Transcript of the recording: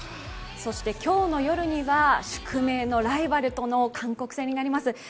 今日の夜には宿命のライバル・韓国戦となります。